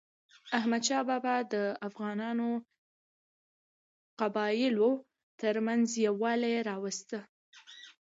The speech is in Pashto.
احمدشاه بابا د افغانو قبایلو ترمنځ یووالی راوست.